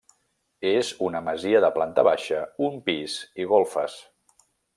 És una masia de planta baixa, un pis i golfes.